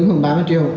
dũng hơn ba mươi triệu